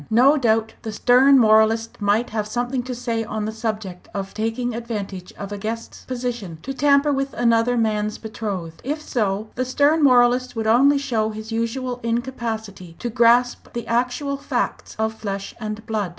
No doubt the stern moralist might have something to say on the subject of taking advantage of a guest's position to tamper with another man's betrothed. If so, the stern moralist would only show his usual incapacity to grasp the actual facts of flesh and blood.